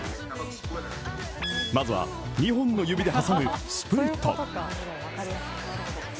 まずは２本の指で挟む、スプリット。